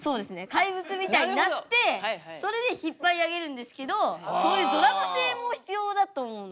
怪物みたいになってそれで引っ張り上げるんですけどそういうドラマ性も必要だと思うので。